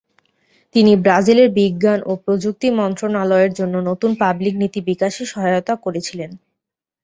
তিনি ব্রাজিলের বিজ্ঞান ও প্রযুক্তি মন্ত্রণালয়ের জন্য নতুন পাবলিক নীতি বিকাশে সহায়তা করেছিলেন।